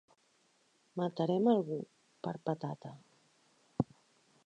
Matarem algú, per patata.